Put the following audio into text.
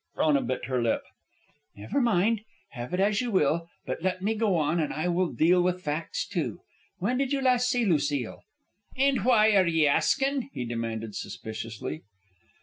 Frona bit her lip. "Never mind. Have it as you will; but let me go on and I will deal with facts, too. When did you last see Lucile?" "An' why are ye askin'?" he demanded, suspiciously.